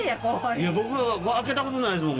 いや僕は開けた事ないですもん。